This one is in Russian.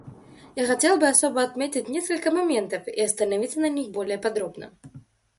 Я хотел бы особо отметить несколько моментов и остановиться на них более подробно.